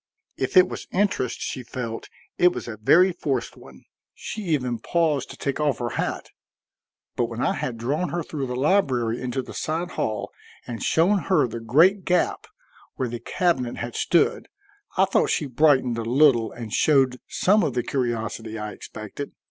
If it was interest she felt it was a very forced one. She even paused to take off her hat. But when I had drawn her through the library into the side hall, and shown her the great gap where the cabinet had stood, I thought she brightened a little and showed some of the curiosity I expected.